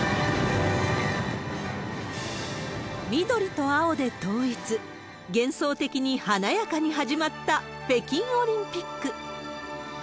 緑と青で統一、幻想的に華やかに始まった北京オリンピック。